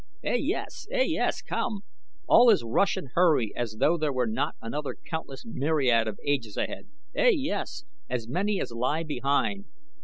"Ey, yes! Ey, yes! Come! All is rush and hurry as though there were not another countless myriad of ages ahead. Ey, yes! as many as lie behind.